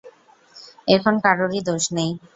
এখানে কারোরই দোষ নেই।